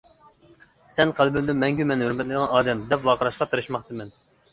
‹ ‹سەن قەلبىمدە مەڭگۈ مەن ھۆرمەتلەيدىغان ئادەم› › دەپ ۋارقىراشقا تىرىشماقتىمەن.